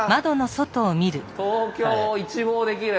東京を一望できる。